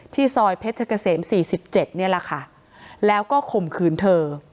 ที่ซอยเพชรเกษม๔๗แล้วก็ข่มขืนเธอ